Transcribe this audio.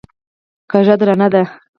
کږه درانه ده.